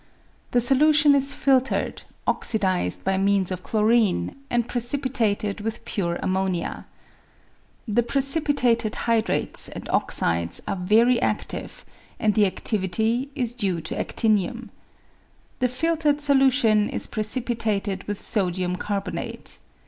The solution is filtered, oxidised by means of chlorine, and precipitated with pure ammonia. The pre cipitated hydrates and oxides are very adive, and the adivity is due to adinium. The filtered solution is pre cipitated with sodium carbonate.